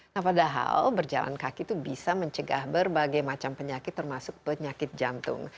nah padahal berjalan kaki itu bisa mencegah berbagai macam penyakit termasuk penyakit jantung